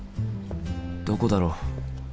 どこだろう？